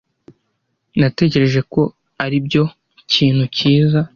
Natekereje ko aribyo kintu cyiza.